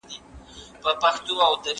حکومت بايد د خلګو د سوکالۍ لپاره کار وکړي.